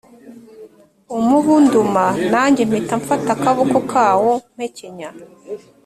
umubu unduma nanjye mpita mfata akaboko kawo mpekenya